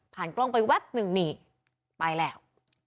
ผ่านกล้องไปแว๊บหนึ่งหนีไปแล้ว